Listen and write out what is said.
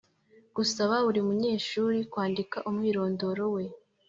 Gusaba buri munyeshuri kwandika umwirondoro we